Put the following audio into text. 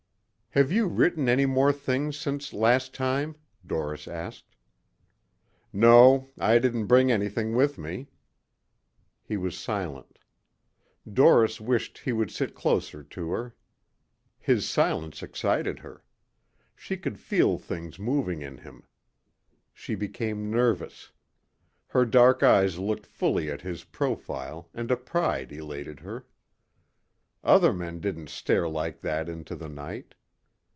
"Have you written any more things since last time?" Doris asked. "No. I didn't bring anything with me." He was silent. Doris wished he would sit closer to her. His silence excited her. She could feel things moving in him. She became nervous. Her dark eyes looked fully at his profile and a pride elated her. Other men didn't stare like that into the night.